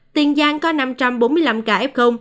tiền giang có năm trăm bốn mươi năm ca f